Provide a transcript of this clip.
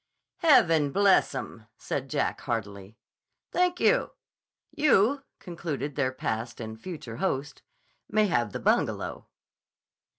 "Heaven bless 'em!" said Jack heartily. "Thank you! You," concluded their past and future host, "may have the Bungalow."